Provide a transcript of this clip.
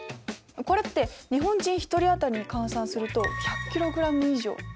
これって日本人１人当たりに換算すると１００ｋｇ以上。